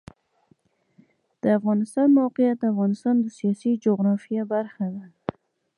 د افغانستان د موقعیت د افغانستان د سیاسي جغرافیه برخه ده.